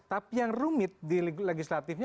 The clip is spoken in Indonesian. tapi yang rumit di legislatifnya